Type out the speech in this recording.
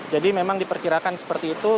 jadi memang diperkirakan seperti itu